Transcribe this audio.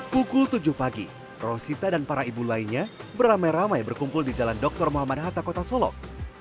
pukul tujuh pagi rosita dan para ibu lainnya beramai ramai berkumpul di jalan dr muhammad hatta kota solok